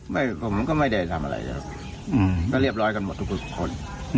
ผมก็ไม่ได้ทำอะไรแล้วก็เรียบร้อยกันหมดทุกคน